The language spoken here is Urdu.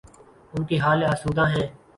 ان کے حال آسودہ ہیں۔